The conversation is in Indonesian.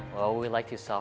kita suka menjual barang besar